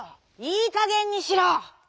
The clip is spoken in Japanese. いいかげんにしろ！」。